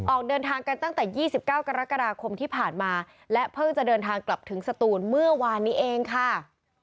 ออกเดินทางกันตั้งแต่๒๙กรกฎาคมที่ผ่านมาและเพิ่งจะเดินทางกลับถึงสตูนเมื่อวานนี้เองค่ะ